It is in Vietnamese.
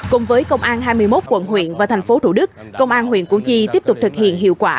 cùng với công an hai mươi một quận huyện và thành phố thủ đức công an huyện củ chi tiếp tục thực hiện hiệu quả